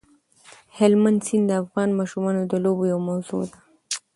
هلمند سیند د افغان ماشومانو د لوبو یوه موضوع ده.